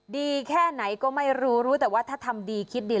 ดีแค่ไหนก็ไม่รู้รู้แต่ว่าถ้าทำดีคิดดี